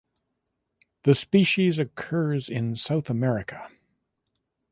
The species occurs in South America.